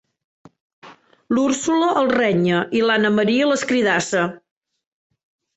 L'Úrsula el renya i l'Anna Maria l'escridassa.